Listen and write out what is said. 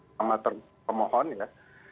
sama pemohon ya